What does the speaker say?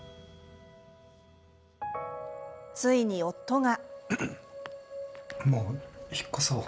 ついに夫が。